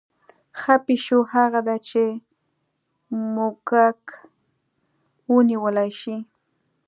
ښه پیشو هغه ده چې موږک ونیولی شي.